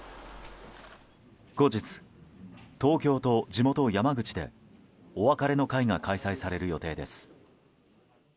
後日、東京と地元・山口でお別れの会が開催される予定です。